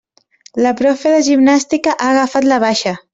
La profe de gimnàstica ha agafat la baixa.